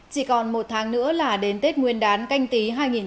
chỉ còn một tháng nữa là đến tết nguyên đán canh tí hai nghìn hai mươi